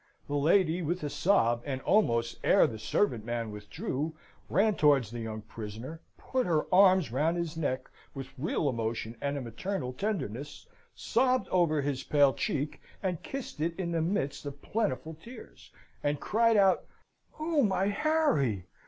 The lady, with a sob, and almost ere the servant man withdrew, ran towards the young prisoner, put her arms round his neck with real emotion and a maternal tenderness, sobbed over his pale cheek and kissed it in the midst of plentiful tears, and cried out "Oh, my Harry!